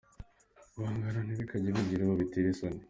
Guhangana ntibikajye bigira uwo bitera isoni.